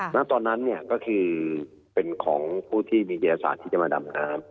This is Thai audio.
แล้วตอนนั้นเนี่ยก็คือเป็นของผู้ที่มีศาสตร์ที่จะมาดำน้ำนะครับ